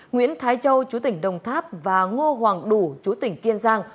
nguyễn thái châu chú tỉnh đồng tháp và ngô hoàng đủ chú tỉnh kiên giang